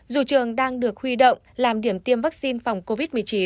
dù trường đang được huy động làm điểm tiêm vaccine phòng covid một mươi chín